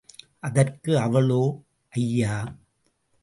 அதற்கு அவளோ, ஐயா!